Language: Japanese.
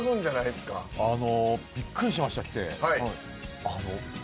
びっくりしました来て。